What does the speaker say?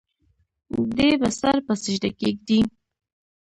دے به سر پۀ سجده کيږدي